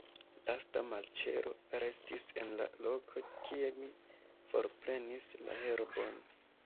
Lasta marĉero restis en la loko, kie mi forprenis la herbon.